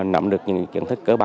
nằm được những kiến thức cơ bản nhất